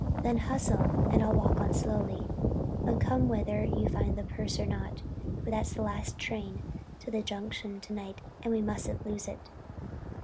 "Then hustle and I'll walk on slowly. But come whether you find the purse or not, for that's the last train to the Junction to night, and we mustn't lose it."